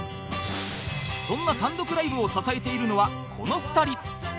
そんな単独ライブを支えているのはこの２人